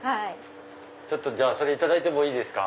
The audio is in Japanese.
それいただいてもいいですか？